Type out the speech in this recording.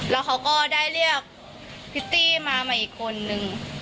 แล้วเขาก็ได้เรียกพิธีมาอีกคนหนึ่ง